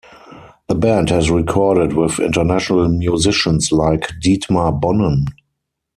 The band has recorded with international musicians like Dietmar Bonnen.